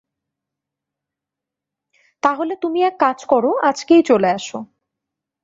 তা হলে তুমি এক কাজ কর, আজকেই চলে আস।